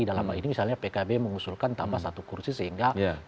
dalam hal ini misalnya pkb mengusulkan tambah satu kursi sehingga